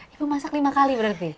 ibu masak lima kali berarti